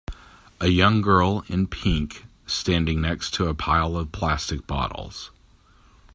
A young girl in pink standing next to a pile of plastic bottles.